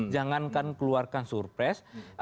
jangankan keluarkan surprise